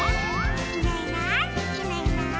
「いないいないいないいない」